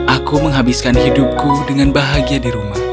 aku menghabiskan hidupku dengan bahagia di rumah